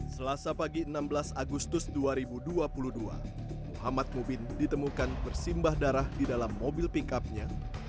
selasa pagi enam belas agustus dua ribu dua puluh dua muhammad mubin ditemukan bersimbah darah di dalam mobil pickupnya